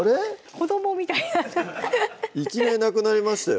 子どもみたいないきなりなくなりましたよ